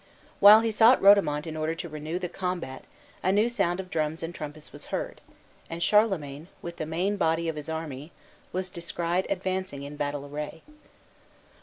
While he sought Rodomont in order to renew the combat a new sound of drums and trumpets was heard, and Charlemagne, with the main body of his army, was descried advancing in battle array.